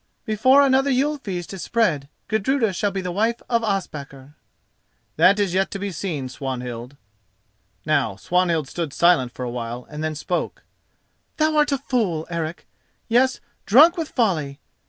"Before another Yule feast is spread, Gudruda shall be the wife of Ospakar." "That is yet to be seen, Swanhild." Now Swanhild stood silent for a while and then spoke: "Thou art a fool, Eric—yes, drunk with folly.